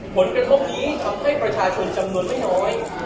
ผลกระทบนี้ทำให้ประชาชนจำนวนไม่น้อย